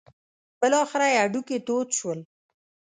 بالاخره یې هډوکي تود شول.